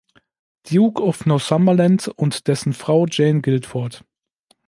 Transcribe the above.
Duke of Northumberland und dessen Frau Jane Guildford.